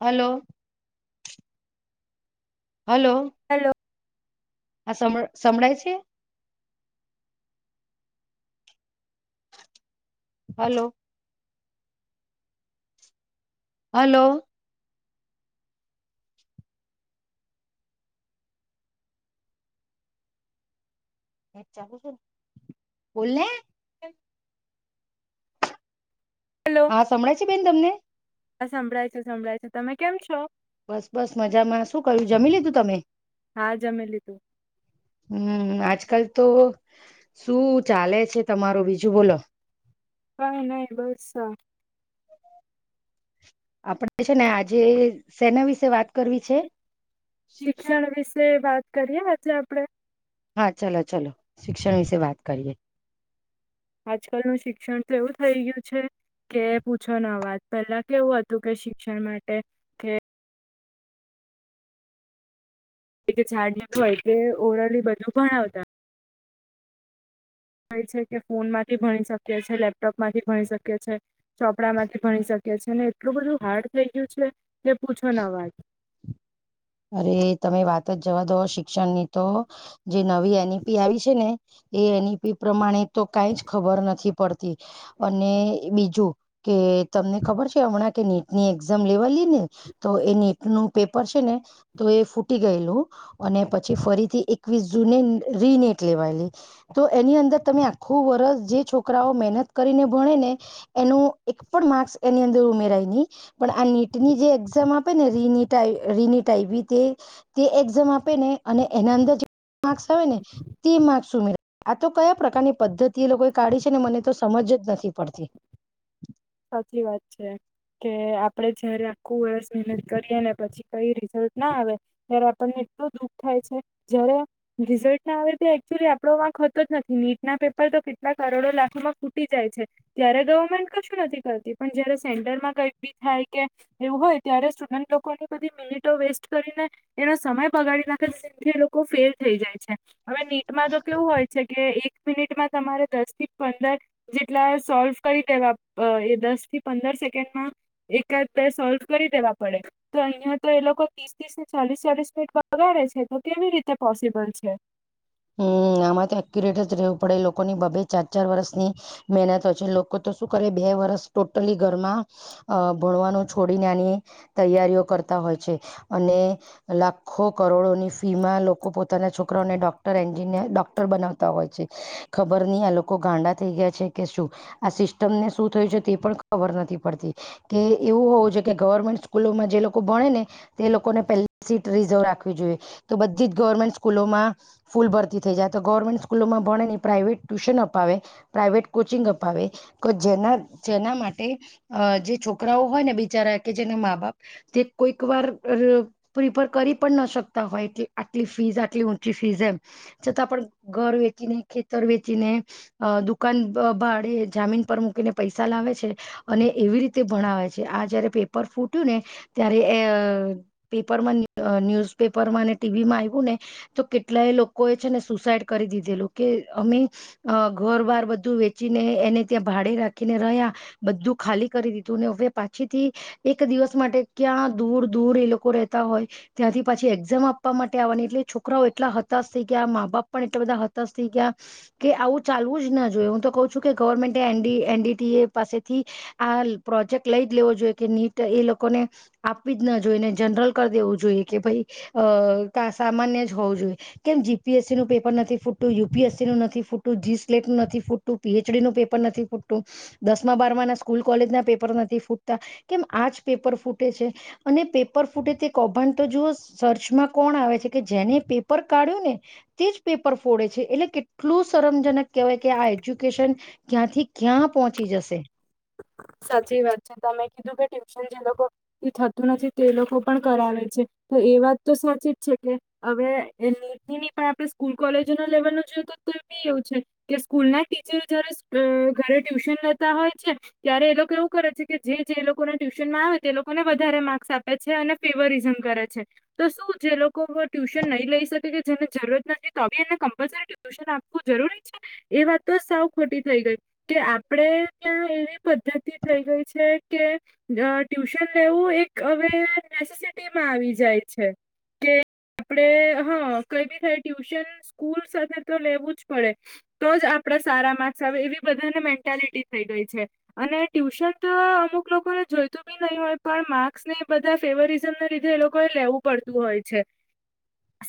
Hello. Hello. Hello આ સમ સંમભળાય છે? હલો. હલો. બોલને હા સંભળાય છે બેન તમને હ સંભળાય છે, સંભળાય છે, તમે કેમ છો? બસ બસ મજામાં શું કરયું જમી લીધું તમે હા જમી લીધું. આજ કલ તો શું ચાલે છે તમારો બીજું બોલો કઈ નહી બસ આ આપડે છે ને આજે સેના વિશે વાત કરવી છે શિક્ષણ વિશે વાત કરીએ આજે આપડે [unintelligible] હા ચલો ચલો [unintelligible] વિશે વાત કરીએ. આજકાલ નું શિક્ષણ તો એવું થઈ ગયું છે. કે પૂછો ન વાત પેલા કેવું હતું કે શિક્ષણ માટે કે એ છાડું હોય કે ઓરલી બધું ભણાવતા ક છે કે ફોન માંથી ભણી શકી છે લેપટોપ માંથી ભણી શકીએ છે ચોપડા માંથી ભણી શકે ને એટલું બધું હાર્ડ થઈ ગયું છે પૂછો ન વાજ અરે તમે વાત જ જવા દો શિક્ષણ ની તો જે નવી એનઈપી આવી છે ને એ એનઈપી પ્રમાણે તો કઈ જ ખબર નથી પડથી અને બીજું કે તમને ખબર છે હમણાં કે નેટની એક્ઝામ લેવા તો એની એક નું પેપર છે ને તો એ ફૂટી ગયેલું અને પછી ફરીથી એકવીસ જૂને રીનેટ લેવાયેલી તો એની અંદર તમે આખું વર્ષ જે છોકરાઓ મહેનત કરીને ભણે ને એનું પણ માર્ક્સ એની અંદર ઉમેરાય નહી પણ આ નીટની જે એક્ઝામ આપે ને રિનીટ રિનીટ ટાઈી તે તે એક્ઝામ આપે ને અને એના અંદર માર્સ આવે ને તે માર્ક્સ ઉમેરા આ તો કયા પ્રકારની પદ્ધતિ એ લોકોએ કાઢી છે ને મને તો સમજ જ નથી પડતી સાચી વાત છે કે આપડે જયારે આખું વર્ષ મહેનત કરીએ ને પછી કઈ રિઝલ્ટ ના આવે ત્યારે આપણને દુઃખ થાય છે જ્યારે રિઝલ્ટ ના આવેચુલી આપો વાકતો જ નથી નીટના પેપર કેટલા રોડો લાખોમાં ખૂટી જાય છે ત્યારે ગવર્મેન્ટ કુંછ નથી કર પણ જયારે સેન્ટરમાં કઈ બી થાય કે એવું હોય ત્યારે સ્ટુડ લોકોની બધી મિનિ વેસ્ટ કરીને એનો સમય પગાડી નાખે છેથી લોકો ફેલ થઈ જાય છે હવે નીટમાં તો કેવું હોય છે કે એક એક મિનિટમાં તમારે દસ થી પંદર જેટલા સોલ્વ કરી દેવા અ એ દસ થી પંદર સેકન્ડમાં એકાદ બે સોલ્વ કરી દેવા પડે તો અહીયાયા તો એ લોકો લોકો ત્રીસ ત્રીસ ને ચાલીસ ચાલીસ મિનિટ વગાડે છે તો કેવી રીતે પોસિબલ છે હમ આમાં તો એક્યુરેટ જ રહેવું પડે લોકોની બબે ચાર ચાર વર્ષની મહેનત છે લોકો તો શું કરે બે વરસ ટોટલી ઘરમાં અ ભણવાનું છોડીને આની તૈયારીઓ કરતા હોય છે અને લાખો કરોડોની ફી માં લોકો પોતાના છોકરાને ડોક ક્ટર એન્જિનિયર ડોક્ટર બનાવતા હોય છે ખબર નહી આ લોકો ગાંડા થઈ ગયા છે કે શું આ સી સિસ્ટમ ને શું થયું છે તે પણ ખબર નથી પડતી કે એવું હોવું જો કે ગવર્મેન્ટ સ્કૂલોમાં જે લોકો ભણે ને તે લોકોને પેલી સીટ રિઝર્વ રાખવી જોઈએ તો બધી જ ગવર્મેન્ટ સ્કૂલોમાં ફૂલ ભરતી થઈ જાય તો ગવર્મેન્ટ સ્કૂલોમાં ભણે ને પ્રાઇવેટ ટ્યુશન અપાવે પ્રાઇવેટ કોચિંગ અપાવે કો જેના જેના માટે જે છોકરાઓ હોય ને બિચારા કે જેના મા બાપ તે કોઈક વાર પ્રિફર કરી પણ ન શકતા હોય આટલી ફીસ આટલી ઊંચી ફીઝ એમ છતાં પણ ઘર વેચીને ખેતર વેચીને દુકાન બાળે જામીન પર મૂકીને પૈસા લાવે છે અને એવી રીતે ભણાવે છે આ જયારે પેપર ફૂટ્યું ને ત્યારે એ પેપરમાં ન્યૂ અ ન્યુઝ પેપરમાં અને ટીવી માં આવ્યું ને તો કેટલાય લોકો કો એ છે ને સુસાઈડ કરી દીધેલું કે અમે અ ઘર વાર બધું વેચીને એને ત્યાં ભાડે રાખીને રહ્યા બધું ખાલી કરી દીધુંને હવે પાછી થી એક દિવસ માટે ક્યાં દૂર દૂર એ લોકો રહેતા હોય ત્યાંથી પાછી એક્ઝામ આપવા માટે આવવાની એટલે છોકરાઓ એટલા હતાશ ગયા મા બાપ પણ એટલા બધા હતાશ થઈ ગયા કે આવું ચાલવું જ ના જોઈએ હું તો કઉ છું કે government ND N D T A એ પાસેથી આ પ્રોજેક્ટ લઈ જ લેવો જોઈએ કે નીટ એ લોકોને આપવી જ ના જોઈએ ને જનરલ કરી દેવું જોઈએ કે ભાઈ અ ક સામાન્ય જ હોવું જોઈએ કેમ જીપીએસસી નું પેપર નથી ફૂટતું યુપીસસી નું નથી ફૂટતું જી સ્લેટું નથી ફૂટતું પીએચડીું પેપર નથી ફૂટુ દસમા બાર ના સ્કૂલ કોલેજ ના પેપર નથી ફૂટતા કેમ આજ પેપર ફૂટે છે અને પેપર ફૂટે તે કૌભાંડ તો જુઓ સર્ચમાં કોણ આવે છે કે જેને પેપર કા્યું ને તે જ પેપર ફોડે છે એટલે કેટલું શરમજનક કહેવાય કે આ એજ્યુકેશન ક્યાંથી ક્યાં પહોંચી જશે સાચી વાત છે તમે કીધું કે ટ્યુશન જે લોકો થતું નથી તે લોકો પણ કરાવે છે તો એ વાત તો સાચી જ છે કે હવે એ નીતિની પા આપણે સ્કૂલ કોલેજો ના લેવાનું જોયએ તો બી એવું છે કે સ્કૂલ ના ટીચર જયારે ઘરે ટ્યુશન લેતા હોય છે ત્યારે એ લોકો એવું કરે છે કે જે લોકોને ટ્યુશન માં આવે તે લોકોને વધારે માર્ક્સ આપે છે અને ફેવરિઝમ કરે છે તો શું જે લોકો ટ્યુશન નહી લઈ શકે કે જેને જરૂરત નથી તોી એને કમ્પલસરી ટ્યુશન આપ જરૂરી છે એ વાત તો સાવ ખોટી થઈ ગઈ કે આપડે ત્યાં એવી પદ્ધતિ થઈ ગઈ છે કે ટ્યુશન લેવું એક હવે નેસેસિટીમાં આવી જાય છે કે આપડે હા કઈ બી થાય ટ્યુશન સ્કૂલ સાથે તો લેવું જ પડે તો જ આપણે સારા માર્સ આવે એવી બધાને મેન્ટલિટી થઈ ગઈ છે અને ટ્યુશન તો અમુક લોકોને જોઈતું બી નહીિ હોય પણ માર્ક્સ ને એ બધા ફેવરિઝમ ના લીધે એ લોકોએ લેવું પડતું હોય છે [inaudible] [inaudible]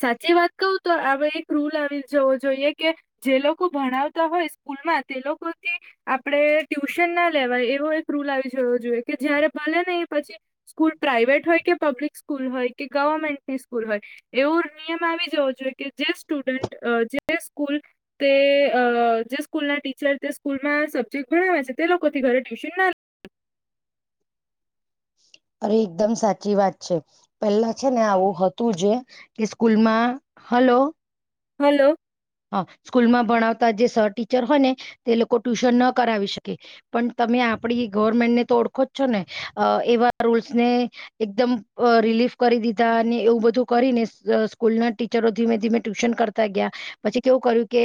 સાચી વાત કવ તો આ એક રૂલ આવી જવો જોઈએ કે જે લોકો ભણાવતા હોય સ્કૂલમાં તે લોકો થી આપણે ટ્યુશન ના લેવાય એવો એક રૂલ આવી જવો જોઈએ કે જ્યારે ભલે નહ પછી સ્કૂલ પ્રાાઈવેટ હોય કે પબ્લિક સ્કૂલ હોય કે ગવર્મેન્ટ કૂલ હોય એવો નિયમ આવી જવો જોઈએ કે જે સ્ટુડન્ટ જે સ્કૂલ તે અ જે સ્કૂલ ના ટીચર તે સ્કૂલમાં સબ્જેક્ટ ગણાવ્યા છે તે લોકોથી ઘરે ટ્યુશન ના લ [inaudible] અરે એકદમ સાચી વાત છે પેલા છે ને આવું હતું જે કે સ્કૂલમાં હલો હલો હા સ્કૂલમાં ભણાવતા જે સર ટીચર હોય ને તે લોકો ટ્યુશન ન કરાવી શકે પણ તમે આપણી ગવર્મેન્ટને તો ઓળખો જ છો ને એવા રૂલ્સને એકદમ રલી ફ કરી દીધા અને એવું બધું કરીને સ્કૂલ ના ટીચરો ધીમે ધીમે ટ્યુશન કરતા ગયા પછી કેવું કર્યું કે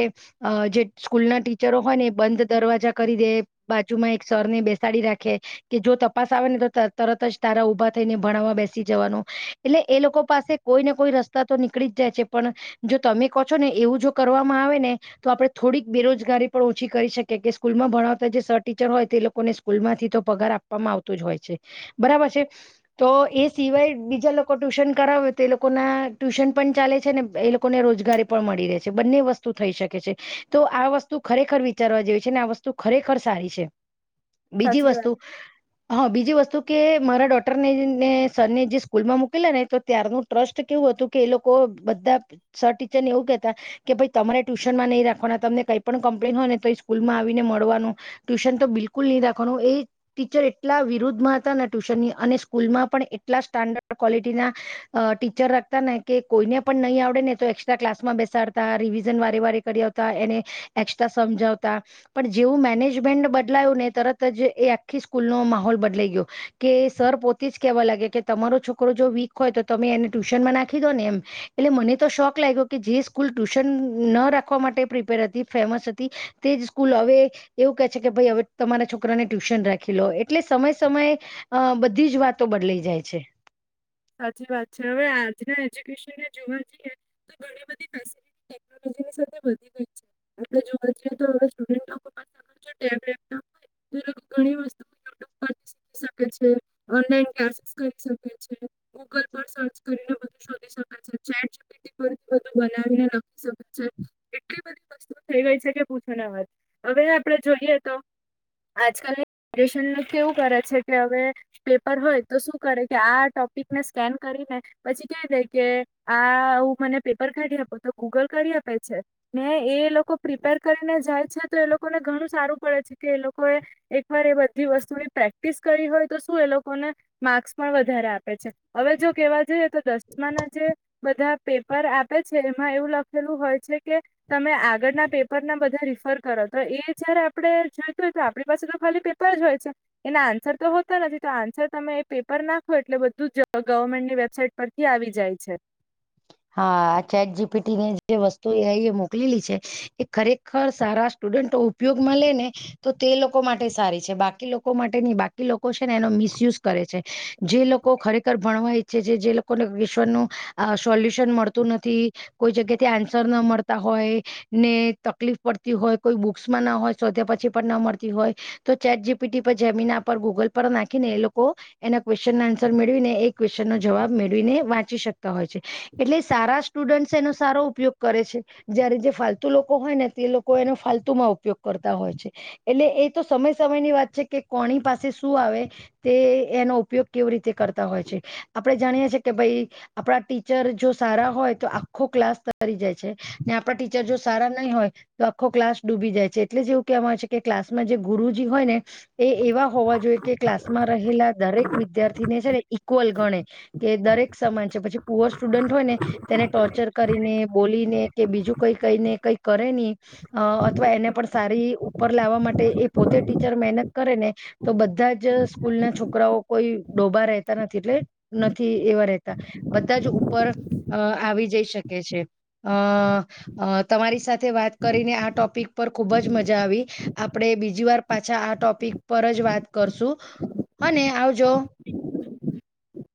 જે સ્કૂલ ના ટીચરો હોય ને બંધ દરવાજા કરી દે બાજુમાં સર ને બેસાડી રાખે કે જો તપાસ આવે ને તો તરત જ તારા ઉભા થઈને ભણાવવા બેસી જવાનું એટલે એ લોકો પાસે કોઈ ને કોઈ રસ્તા તો નીકળી જાય છે પણ જો તમે કહો છો ને એવું જો કરવામાં આવે ને તો આપણે થોડીક બેરોજગારી પણ ઓછી કરી શકીએ કે સ્કૂલમાં ભણાવતા જે સર ટીચર હોય લોકોને સ્કૂલ માંથી તો પગાર આપવામાં આવતો જ હોય છે બરાબર છે તો એ સિવાય બ બીજા લોકો ટ્યુશન કરાવે તો તે લોકો ના ટ્યુશન પણ ચાલે છે ને એ લોકોને રોજગારી પણ મળી રહે છે બંને વસ્તુ થઈ શકે છે તો આ વસ્તુ ખરેખર વિચારવા જેવી છે ને આ વસ્તુ ખરેખર સારી છે બીજી સાચી વાત વસ્તુ હા બીજી વસ્તુ કે મારા ડોટર ને ને સરને જે સ્કૂલ માં મૂકલા ને તો ત્યારનું ટ્રસ્ટ કેવું હતું કે એ લોકો બધા સર ટીચર ને એવું કેતા કે ભાઈ તમારે ટ્યુશન નહીિ રાખવાના તમને કઈ પણ કમ્પ્લેન હોય ને તો એ સ્કૂલમાં આવીને મળવાનું ટ્યુશન તો બ બિલકુલ નહી રાખવાનું એ ટીચર એટલા વિરુદ્ધમાં હતા ટ્યુશન ની અને સ્કૂલમાં પણ એટલા સ્ટાન્ડડ ક્વોલિટી ના ટીચર રાખતા ને કે કોઈને પણ નહીં આવડે ને તો એક્સ્ટ્રા ક્લાસમાં બેસાડ તા રિવિઝન વારે વારે કરી આવતા એને એક્સ્ટ્રા સમજાવતા પણ જેવું મેનેજમેન્ટ બદ ને તરત જ એ આખી સ્કૂલ નો માહોલ બદલાઈ ગયો કે સર પોતે જ કેવા લાગે કે તમારું છોકરો વીક હોય તો તમે એને ટ્યુશન માં નાખી દો ને એમ એટલે મને તો શોખ લાગ્યો કે જે સ્કૂલ ટ્યુશન ન રાખવા માટે પ્રિપેર હતી ફેમસ હતી તે જ સ્કૂલ હવે એવું કેહે છે કે ભાઈ હવે તમારા છોકરાને ટ્યુશન રાખી લો એટલે સમયે સમયે અ બધી જ વાતો બદલાઈ જાય છે. [inaudible] સાચી વાત છે હવે આજના એજ્યુકેશનને જોવા જઈએ તો ઘણી બધી ફેસટી ટે [unintelligible] આપ જોવા જઈએ તો સ્ટુડ પાગળ ટેબ વેપટોપ હોય ઘણી વસ્તુ યુટ્યુબ પરથીખી શકે છે. ઓનલાઈન ક્લાસીસ કરી શકે છે ગૂગલ પર સર્ચ કરીને શોધી શકે છે ચેટ ચપેટી પરથી બધું બનાવીને લખી શકે છે એટલી બધી વસ્તુ શું થઈ ગઈ છે કે પૂછો ના વાત હવે આપડે જોઈએ તો આજકાલની જનરેશન કેવું કરે છે કે હવે પેપર હોય તો શું કરે કે આ ટોપિક સ્કેન કરીને પછી ક દ કે આ હું મને પેપર કાઢી આપું તો ગૂગલ કાઢી આપ કરે છે, ને એ લોકો પ્રિપેર કરીને જાય છે, તો એ લોકોને ઘણું સારું પડે છે, કે એ લોકો એ એક વાર એ બધી વસ્તુની પ્રેક્ટિસ કરી હોય તો શું એ લોકોને માર્ક્સ પણ વધારે આપે છે. હવે જો કેવા જોઈએ તો દસમાના જે બધા પેપર આપે છે, એમાં એવું લખેલું હોય છે, કે તમે આગળના પેપર ના બધા એ જયારે આપડે જોયતુ હોય તો આપણી પાસે તો ખાલી પેપર જ હોય છે, એના આન્સર હોતો નથી તો આન્સર તમે એ પેપર નાખો એટલે બધું જ ત ગવર્મેન્ટની વેબસાઇટ પરથી આવી જાય છે. હા આ ચેટ જીપીટી ની જે વસ્તુ મોકલેલી છે, એ ખરેખર સારા સ્ટુડન્ટ ઉપયોગમાં લેને તો તે લોકો માટે સારી છે, બાકી લોકો માટે ની બાકી લો કો છે, ને એનો મિસયુઝ કરે છે, જે લોકો ખરેખર ભણવા ઈચ્છે છે, જે લોકોને ઈશ્વર નુ આ સોલ્યુશન મળતું નથી કોઈ જગ્યાથી આન્સર ન મળતા હોય ને તકલીફ પડ તી હોય કોઈ બુક્સમાં ન હોય શોધ્યા પછી પણ ન મળતી હોય તો ચેટ જીપીટી પર જમીના પર ગૂગલ પર નાખીને એ લોકો એના ક્વેશ્ન ના આન્સર મેળવીને એ ક્વેશ્ચનનો જવાબ મેળવીને વાંચી શ કા હોય છે, એટલે સારા સ્ટુડન્ટ એનો સારો ઉપયોગ કરે છે, જયારે જે ફાલતુ લોકો હોય ને તે તે લોકો એનો ફતુમાં ઉપયોગ કરતા હોય છે, એટલે એ તો સમય સમય ની વાત છે, કે કોની પાસે શું આવે તે એનો ઉપયોગ કેવી રીતે કરતા હોય છે, આપડે જાણીએ છીએ કે ભાઈ આપણા ટીચર જો સારા હોય તો આખો ક્લાસ તરી જાય છે, ને આપણા ટીચર જો સારા નહીં હોય તો આખો ક્લાસ ડૂબી જાય છે, એટલે જે એવું કહેવા હોય છે, કે ક્લાસમાં જે ગુરુજી હોય ને એ એવા હોવા જોએ કે ક્લાસ માં રહેલા દરેક વિદ્યાર્થી ને છે, ને ઈક્વલ ગણે કે દરેક સમાજ પછી પુઅર સ્ટુડન્ટ હોય ને તેને ટોર્ચર કરીને બોલીને કે બીજું કઈ કઈને કઈ કરે ની અથવા એને પણ સારી ઉપર લાવવા માટે એ પોતે ટીચર મહેનત કરે ને તો બધા જ સ્કૂલ ના છોકરાઓ કોઈ ડોબા રહેતા નથી એટલે નથી એવા રેહતા બધા જ ઉપર અ આવી જઈ શકે છે, અ અ તમારી સાથે વાત વાત કરીને આ ટોપિક પર ખુબ જ મજા આવી આપણેે બીજી વાર પાછા આ ટોપિક પર જ વાત કરશું હને આવજો [unintelligible]